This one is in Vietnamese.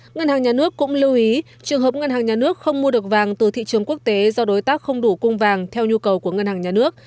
ngân hàng nhà nước cũng lưu ý trường hợp ngân hàng nhà nước không mua được vàng từ thị trường quốc tế do đối tác không đủ cung vàng theo nhu cầu của ngân hàng nhà nước